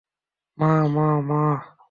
মা, মা, মা!